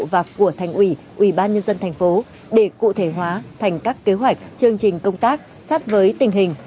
và của thành ủy ủy ban nhân dân thành phố để cụ thể hóa thành các kế hoạch chương trình công tác sát với tình hình